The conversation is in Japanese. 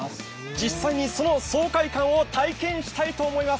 実際にその爽快感を体験したいと思います。